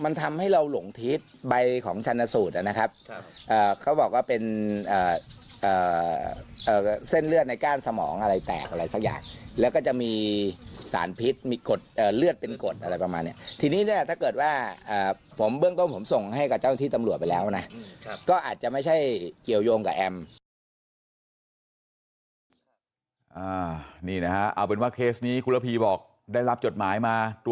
มันทำให้เราหลงทิศใบของชันสูตรนะครับเขาบอกว่าเป็นเส้นเลือดในก้านสมองอะไรแตกอะไรสักอย่างแล้วก็จะมีสารพิษมีกฎเลือดเป็นกฎอะไรประมาณเนี้ยทีนี้เนี่ยถ้าเกิดว่าผมเบื้องต้นผมส่งให้กับเจ้าที่ตำรวจไปแล้วนะก็อาจจะไม่ใช่เกี่ยวยงกับแอมนะครับ